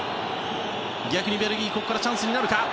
逆にベルギーチャンスになるか？